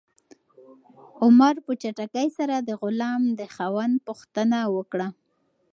عمر په چټکۍ سره د غلام د خاوند پوښتنه وکړه.